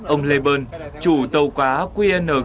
ông lê bơn chủ tàu quá qnrg chín mươi năm